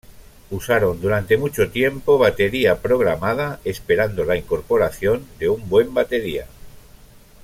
Usaron durante mucho tiempo batería programada esperando la incorporación de un buen batería.